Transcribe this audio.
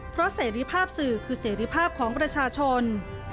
เพราะเสรีภาพสื่อคือเสรีภาพของประชาชน